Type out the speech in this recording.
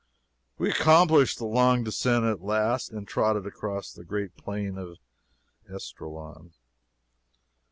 We accomplished the long descent at last, and trotted across the great Plain of Esdraelon.